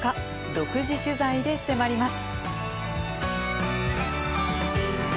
独自取材で迫ります。